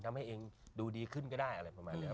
ทำให้เองดูดีขึ้นก็ได้อะไรประมาณนี้